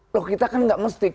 loh kita kan nggak mesti